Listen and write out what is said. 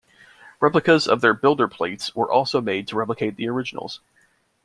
Replicas of their builder plates were also made to replace the originals.